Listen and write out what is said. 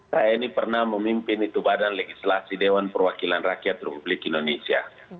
saya ini pernah memimpin itu badan legislasi dewan perwakilan rakyat republik indonesia